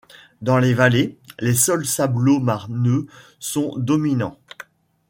Dans les vallées, les sols sablo-marneux sont dominants.